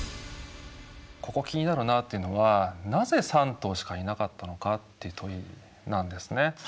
ここ気になるなというのは「なぜ３頭しかいなかったのか？」という問いなんですね。